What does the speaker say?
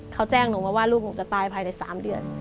เขาแจ้งหนูมาว่าลูกหนูจะตายภายใน๓เดือน